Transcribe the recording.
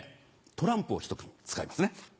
トランプを１組使います。